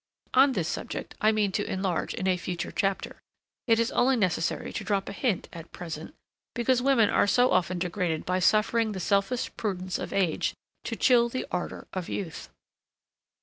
On this subject I mean to enlarge in a future chapter; it is only necessary to drop a hint at present, because women are so often degraded by suffering the selfish prudence of age to chill the ardour of youth.